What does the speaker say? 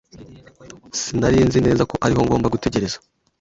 Sinari nzi neza ko ariho ngomba gutegereza.